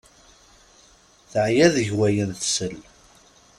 Teɛya deg wayen tessal.